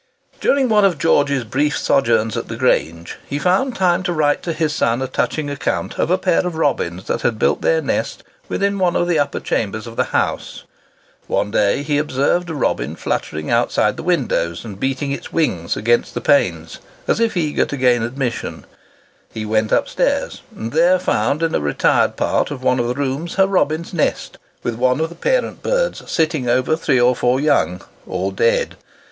During one of George's brief sojourns at the Grange, he found time to write to his son a touching account of a pair of robins that had built their nest within one of the upper chambers of the house. One day he observed a robin fluttering outside the windows, and beating its wings against the panes, as if eager to gain admission. He went up stairs, and there found, in a retired part of one of the rooms, a robin's nest, with one of the parent birds sitting over three or four young—all dead.